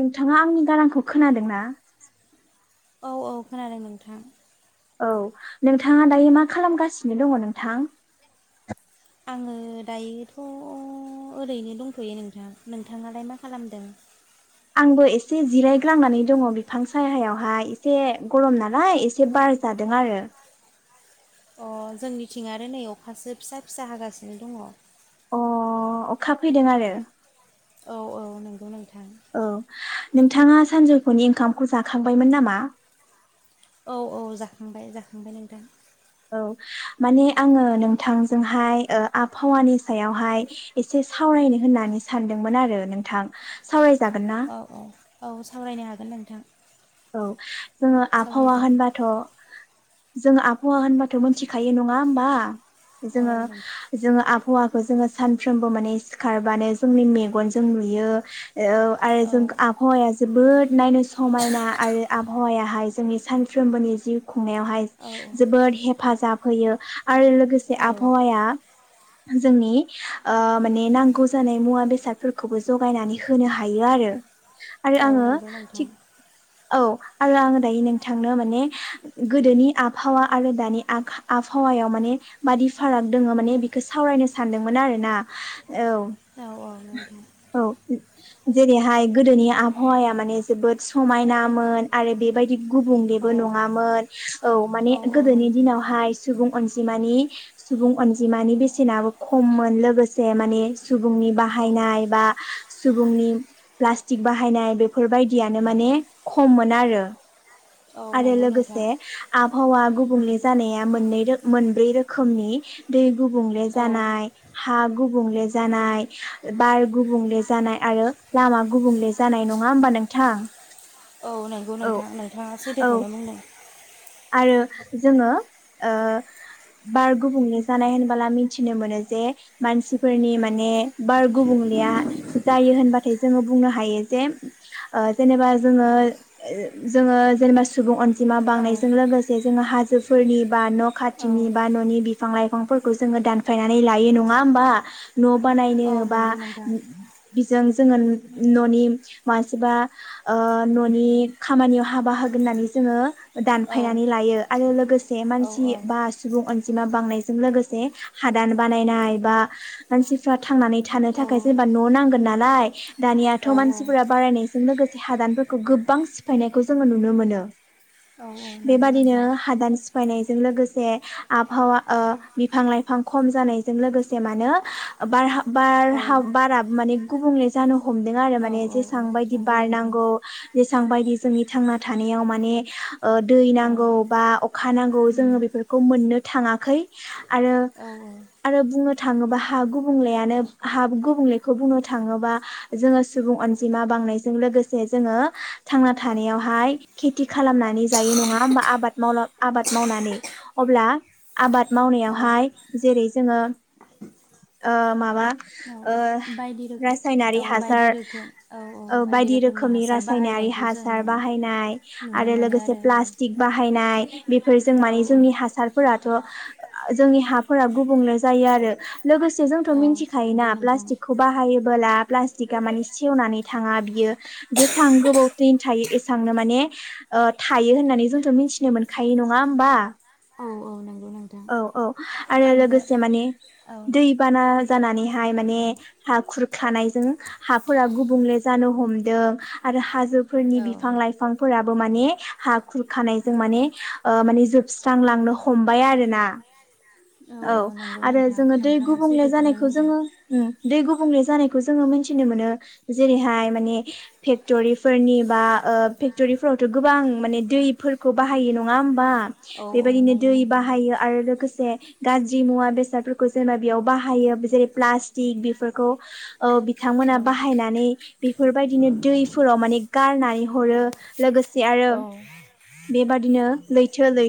नोंथाङा आंनि गारांखौ खोनादों ना? औ औ खोनादों नोंथां। औ नोंथाङा दायो मा खालामगासिनो दङ नोंथां? आङो दायोथ' ओरैनो दंथ'यो नोंथां नोंथाङालाय मा खालामदों? आंबो एसे जिरायग्लांनानै दङ बिफां साहायावहाय एसे गरम नालाय एसे बार जादों आरो। अ जोंनिथिं आरो नै अखासो फिसा फिसा हागासिनो दङ। अ अखा फैदों आरो? औ औ नंगौ नोंथां। औ नोंथाङा सानजौफुनि ओंखामखौ जाखांबायमोन नामा? औ औ जाखांबाय जाखांबाय नोंथां। औ माने आङो नोंथांजोंहाय आबहावानि सायावहाय एसे सावरायनो होननानै सानदोंमोन आरो नोंथां साव औ औ औ सावरायनो हागोन नोंथां। औ जोङो आबहावा सावरायजागोन होनबाथ' जों आबहावा होनबाथ' मोनथिखायो नङा होमबा? जोङो औ नोंथां जोङो आबहावाखौ बे खौ जोङो सानफ्रोमबो माने सिखारबानो जोंनि मेगनजों नुयो। औ आरो औ जों आबहावाया जोबोद नायनो समायना। आबहावायाहाय जोंनि सानफ्रोमबोनि जिउखौ खुंनायावहाय औ जोबोद हेफाजाब होयो आरो लोगोसे औ आबहावाया जोंनि माने नांगौ जानाय मुवा बेसादफोरखौबो जगायनानै होनो हायो आरो। आरो औ आङो नंगौ नोंथां थिग औ आरो आङो दायो नोंथांनो माने गोदोनि आबहावा आरो दानि आबहावायाव माने बादि फाराग दङ माने बेखौ सावरायनो सानदोंमोन आरो ना, औ औ औ नोंथां औ जेरैहाय गोदोनि आबहावाया माने जोबोद समायनामोन आरो बेबायदि औ गुबुंलेबो नङामोन औ माने औ गोदोनि नंगौ दिनावहाय सुबुंन नि सुबुं अनजिमानि बेसेनाबो खममोन लोगोसे माने सुबुंनि औ बाहायनाय बा सुबुंनि प्लास्टिक बाहायनाय बेफोरबायदियानो माने खम मोन आरो। औ आरो नंगौ नोंथां लोगोसे आबहावा गुबुंले जानाय मोन्रै रोनि दै गुबुंले औ जानाय हा गुबुंले जानाय बार गुबुंले जानाय आरो लामा गुबुंले जानाय नङा होमबा नोंथां? औ नंगौ औ नोंथां नोंथाङा स औ दैखौनो बुंदों। आरो जोङो बार गुबुंले जानाय होनबोला मिथिनो मोनो जे मानसिफोरनि माने बार गुबुंलेया। जायो होनबाथाय जोङो बुंनो हायो जे जेनेबा जोङो जोङो जेनेबा सुबुं अ सिमा औ बांनाय लोगोसे जोङो हाजोफोरनि बा न' औ खाथिनि बा न'नि बिफां लाइफांफोरखौ जोङो दानफायनानै लायो नङा होमबा? न' बानायनो औ बा नंगौ नोंथां जों जोङो न'नि मासेबा ओ न'नि खामानियाव हाबा होगोन होननानै जोङो गोदान औ फायनानै लायो आरो लोगोसे औ मानसि बा सुबुं अन जिमा बांनायजों लोगोसे हादान बानायनाय बा मानसिफ्रा थांनानै थानो औ थाखाय जेनबा न' नांगोन नालाय दानियाथ' औ मानसिफोरा बारायनाय जों लोगोसे हादानफोरखौ गोबां सिफायनायखौ जोङो नुनो मोनो। औ औ नंगौ बेबादिनो नोंथां हादान सिफायनाय जों लोगोसे आबहावा ओ बिफां लाइफां खम जानायजों लोगोसे मानो बारहा औ बारहाब बारा माने गुबुंले जानो हमदों आरो औ माने औ जेसां बायदि नंगौ नोंथां बारनांगौ जेसां बायदि जोंनि थांना थानायाव माने ओ दै औ नांगौ बा अखा नांगौ उम जोङो बेफोरखौ मोननो थाङाखै आरो, औ आरो बुंनो थाङोबा हा गुबुंलेयानो हा गुबुंलेखौ बुंनो थाङोबा जोङो सुबुं अनजिमा बांनायजों लोगोसे जोङो थांना थानायावहाय खेथि खालामनानै जायो नङा होमबा आबाद मावलां आबाद मावनानै अब्ला आबाद औ मावनायावहाय जेरै जोङो ओ माबा औ ओ बायदि रोखोम औ रासायनारि बायदि हासार रोखोम औ औ ओ बायदि रोखोमनि हासार रासायनारि बाहायनायखौ जों हासार बाहायनाय नुनो आरो मोनो लोगोसे औ प्लास्टिक बाहायनाय बेफोरजों औ माने जोंनि हासारफोराथ'। जोंनि हाफोरा गुबुंले जायो आरो। लोगोसे जोंथ' औ मिथिखायोना नंगौ नोंथां प्लास्टिकखौ बाहायोबोला प्लास्टिकआ माने सेवनानै थाङा बियो जेसां गोबाव दिन थायो एसांनो माने ओ थायो होननानै जोंथ' मिथिनो मोनखायो। नङा होमबा? औ औ नंगौ नोंथां औ औ आरो आङो लोगोसे माने औ दै बाना जानानैहाय माने हा खुरखानायजों हाफोरा गुबुंले जानो हमदों आरो हाजोफोरनि औ बिफां लाइफांफोराबो माने हा खुरखानायजों माने ओ माने जोबस्रांलांनो हमबाय आरो ना। औ। नंगौ आरो नोंथां जोङो दै नोंथाङा गुबुंले सैथोखौनो जानायखौ बुंदों जोङो उम, दै गुबुंले जानायखौ जोङो मिनथिनो मोनो जेरैहाय माने फेक्टरिफोरनि बा ओ फेक्टरिफोरावथ' गोबां माने दैफोरखौ बाहायो नङा होमबा औ औ बेबायदिनो नंगौ दै नोंथां बाहायो आरो लोगोसे गाज्रि मुवा बेसादफोरखौ जेनेबा बेयाव बाहायो जेरै प्लास्टिक बेफोरखौ ओ औ बिथांमोना बाहायनानै बेफोरबायदिनो दैफोराव माने गारनानै हरो लोगोसे आरो औ बेबादिनो लैथो लै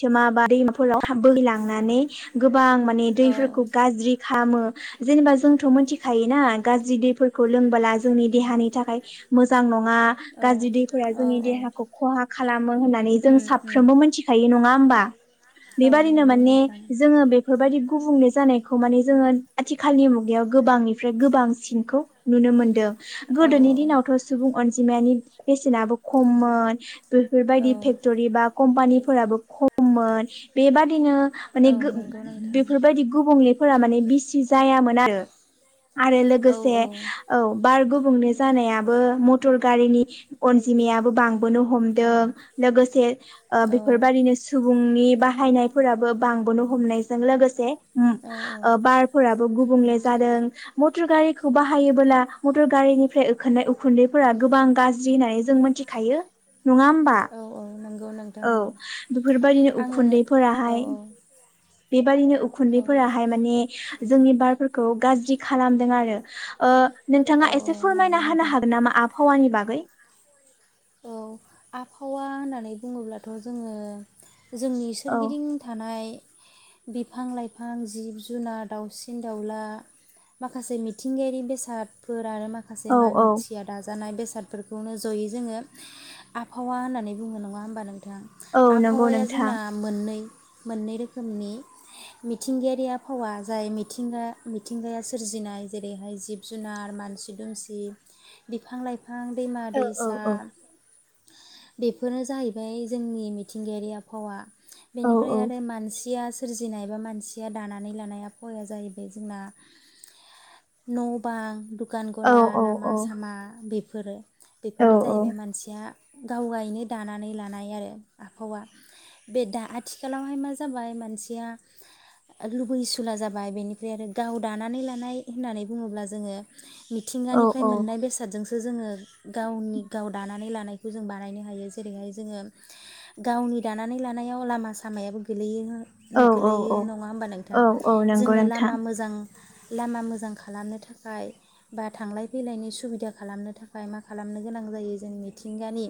थोमा बा दैमाफोराव थाब बोहैलांनानै गोबां मान ने दैफोरखौ औ गाज्रि खामो जेनेबा जोंथ' मिथिखायोना गाज्रि दैफोरखौ लोंबोला जोंनि देहानि थाखाय मोजां नङा। गाज्रि दैफोरा औ जोंनि देहा खौ खहा खालाम मो होननानै जों उम उम साफ्रोमबो मोनथि नङा होमबा? औ बेबादिनो नंगौ माने नोंथां जोङो बे बेफोरबायदि गुबुंले जानायखौ माने जोङो आथिखालनि मुगायाव गोबांनिफ्राय गोबांसिनखौ नुनो मोनदों। औ गोदोनि दिनावथ' सुबुं अनजि [unintelligible] बेसेनाबो खममोन औ बेफोरबायदि फेक्टरि बा कम्पानि फोराबो खममोन बेबादिनो औ माने गो नंगौ नोंथां बेफोरबायदि गुबुंले फोरा माने बिसि जायामोन आरो आरो औ लोगोसे औ औ बारग' बुंनो जानायाबो मटर गारिनि अनजिमायाबो बांबोनो हमदों लोगोसे ओ बेफो बेफोरबायाददिनो सुबुंनि बाहायनायफोराबो बांबोनो हमनायजों लोगोसे औ बारफोराबो गुबुंले जादों मटर गारिखौ बाहायोबोला मटर गारिनिफ्राय ओंखारनाय उखुन्दैफोरा गोबां गाज्रि होननानै जों मिथिखायो नङा होमबा औ औ नंगौ औ बेफोरबायदिनो आङो उखुन्दैफोरा औ फ्राय बेबादिनो औ खुन्दैफोराहाय माने जोंनि बारफोरखौ गाज्रि खालामदों आरो ओ औ नोंथाङा एसे नंगौ फोरमायना हानो नोंथां हागोन नामा? आब हावानि बागै औ आबहावा होननानै बुङोब्लाथ' जोङो जोंनि औ सोरगिदिं थानाय बिफां लाइफां जिब जुनार दाउसिन दाउला माखासे मिथिंगायारि बेसादफोर आरो माखासे औ औ मानसिया दाजानाय बेसाद बेसादफोरखौनो जयै जोङो आबहावा होननानै बुंङो नङा होमबा नों थां औ नंगौ आबहावाया नोंथां जोंना मोननै मोननै रोखोमनि मिथिंगायारि आबहावा जाय मिथिंगा मिथिंगाया सोरजिनाय जेरैहाय जिब जुनार मानसि दुमसि बिफां लाइफां बिफां दैमा औ औ दैसा औ बेफोरो जाहैबाय जोंनि मिथिंगायारि आबहावा औ बेनिफ्राय औ आरो मानसिया सोरजिनायबा मानसिया दानानै लानाय आबहावाया जाहैबाय जोंना न' बां द दखान औ गला औ औ लामा सामा बे बेफोरो औ बेफोरनो जाहैबाय मानसिया गाव गायैनो दानानै लानाय आरो आबहावा बे दा आथिखालावहाय मा जाबाय मानसिया लुबैसुला जाबाय बेनिफ्राय आरो गाव दानानै लानाय होननानै बुङोब्ला जोङो औ मिथिंगानिफ्राय मोननाय बेसादजों [unintelligible] जोङो गावनि गाव दानानै लानाय खौ जों बानायनो हायो जेरैहाय जोङो गावनि दानानै लानायाव लामा सामायाबो गोलैयो औ गोलैयो औ नङा होमबा नोंथां औ औ नंगौ जोङो नोंथां लामा मोजां लामा मोजां खालामनो थाखाय बा थांलाय फैलायनि सुबिदा खालामनो थाखाय मा खालामनो गोनां जायो जोंनि मिथिंगानि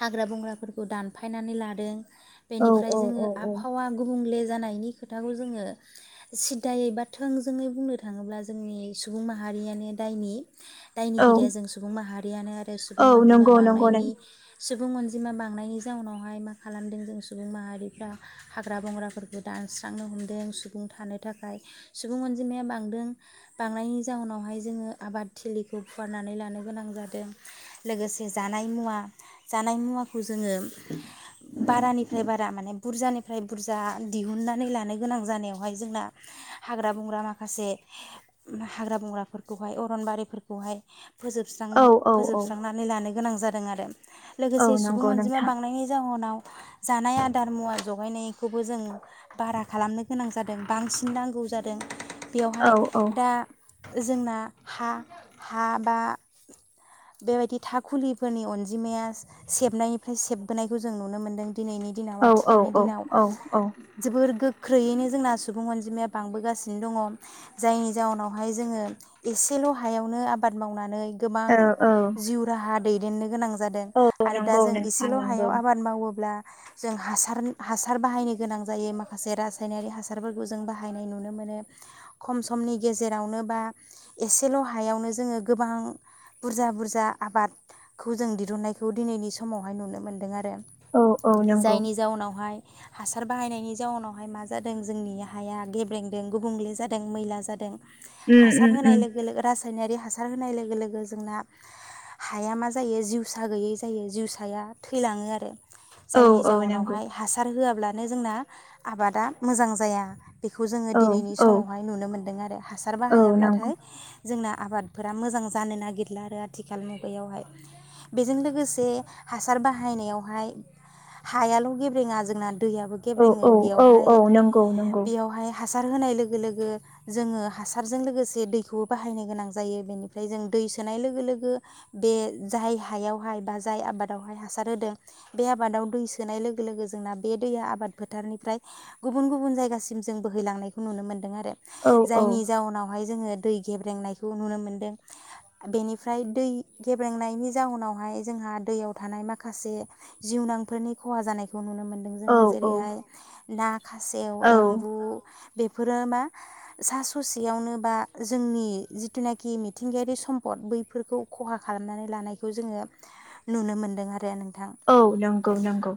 हाग्रा बंग्राफोरखौ दानफायनानै लादों औ बेनिफ्राय औ जोङो औ औ आबहावा गुबुंले जानायनि खोथाखौ जोङो सिदायै बा थोंजोङै बुंनो थाङोब्ला जोंनि सुबुं माहारियानो दायनि औ दायनिगिरिया जों सुबुं माहारियानो आरो सु बुं औ अनजिमा नंगौ नंगौ नों बांनायनि सुबुं अनजिमा बांनायनि जाउनावहाय मा खालामदों जों सुबुं माहारिफ्रा हाग्रा बंग्राफोरखौ दानस्रांनो हमदों सुबुं थानो थाखाय सुबुं अनजिमाया बांदों बांनायनि जाउनावहाय जोङो आबाद थिलिखौ फुवारनानै लानो गोनां जादों। लोगोसे जानाय मुवा जानाय मुवाखौ जोङो बारानिफ्राय बारा माने बुरजानिफ्राय बुरजा दिहुननानै लानो गोनां जानायावहाय जोंना हाग्रा बंग्रा माखासे मा हाग्रा बंग्राफोरखौहाय अरनबारिफोरखौहाय फोजोबस्रां औ औ फोजोब औ लानो गोनां जादोंआरो। औ लोगोसे सुबुं नंगौ अनजिमा नोंथां बांनायनि जाहोनाव जानाय आदार मुवा जगायनायखौबो जों बारा खालामनो गोनां जादों बांसिन नांगौ जादों। औ बेवहाय औ दा जोंना हा हा बा बेबायदि थाखुलिफोरनि अनजिमाया सेबनायनिफ्राय सेबबोनायखौ जों नुनो मोनदों। दिनैनि दिनाव औ औ आथिखालनि औ दिनाव औ औ जोबोर गो ख्रैयैनो जोंना सुबुं अनजिमाया बांबोगासिनो दङ' जायनि जाउनावहाय जोङो इसेल' हायावनो आबाद मावनानै गोबां औ जिउ राहा दैदेननो गोनां जादों औ आरो दा नंगौ जों नोंथां इसेल' नंगौ हायाव आबाद मावोब्ला जों हासार हासार बाहायनो गोनां जायो माखासे रासायनायारि हासारफोरखौ जों बाहायनाय नुनो मोनो खम समनि गेजेरावनो बा एसेल' हायावनो जोङो गोबां बुरजा बुरजा आबादखौ जों दिरुननायखौ दिनैनि समावहाय नुनो मोन्दोंआरो। औ औ नोंगौ हासार बाहायनायनि जाउनावहाय मा जादों जोंनि हाया गेब्रेंदों गुबुंले जादों मैला जादों। उम हासार उम होनाय उम लोगो लोगो रासायनायारि हासार होनाय लोगो लोगो जोंना हाया मा जायो जिउसा गैयै जायो जिउसाया थैलाङो आरो। औ जायनि औ नंगौ जाउनावहाय हासार होआब्ला नो जोंना आबादा मोजां जाया। बेखौ जोङो औ दिनैनि औ समावहाय नुनो मोनदोंआरो हासार औ नंगौ बाहायाब्लाथाय जोंना आबादफोरा मोजां जानो नागिर लाआरो आथिखाल मुगायावहाय बेजों लोगोसे हासार बाहायनायावहाय हायाल' गेब्रेङा जोंना दैयाबो औ औ गेब्रेङो औ बेयावहाय औ नंगौ नंगौ बेयावहाय हासार होनाय लोगो लोगो जोङो हासारजों लोगोसे दैखौबो बाहायनो गोनां जायो बेनिफ्राय जों दै सोनाय लोगो लोगो बे जाय हायावहाय बा जाय आबादावहाय हासार होदों बे आबादाव दै सोनाय लोगो लोगो जोंना बे दैया आबाद फोथारनिफ्राय गुबुन गुबुन जायगासिम जों बोहैलांनायखौ नुनो मोन्दों आरो। औ औ जायनि जाउनावहाय जोङो दै गेब्रेंनायखौ नुनो मोनदों। बेनिफ्राय दै गेब्रेंनायनि जाउनावहाय जोंहा दैयाव थानाय माखासे जिउनांफोरनि खहा जानायखौ नुनो मोनो मोनदों औ जोङो औ जेरैहाय ना खासेव औ एम्बु बेफोरो मा सा ससेयावनो बा जोंनि जिथुनाखि मिथिंगायारि सम फद बैफोरखौ खहा खालामनानै लानायखौ जोङो नुनो मोनदों आरो नों औ नंगौ नंगौ।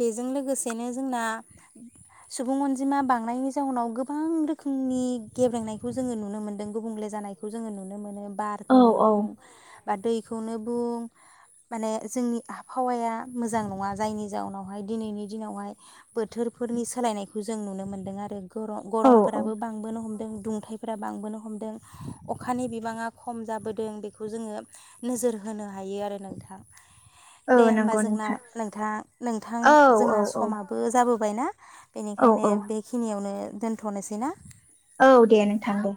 बेजों लोगोसेनो जोंना सुबुं अनजिमा बांनायनि जाउनाव गोबां रोखोमनि गेब्रेंनायखौ जोङो नुनो मोनदों गुबुंले जानायखौ जोङो नुनो मोनो बा र औ खौनो औ बुं। बा दैखौनो बुं माने जोंनि आबहावाया मोजां नङा जायनि जाहोनावहाय दिनैनि दिनावहाय बोथोरफोरनि सोलायनायखौ जों नुनो मोनदों आरो। ग औ औ गरमफोराबो बांबोनो हमदों दुंथाइफोरा बांबोनो हमदों अखानि बिबाङा खम जाबोदों बेखौ जोङो नोजोर होनो हायो आरो नोंथां! औ दे होमबा नंगौ जोंना नोंथां नोंथां नोंथां औ औ जोंना औ समाबो जाबो बोबाय ना। औ बेनिखायनो औ बेखिनियावनो दोनथ'नोसै ना। औ दे नोंथां दे।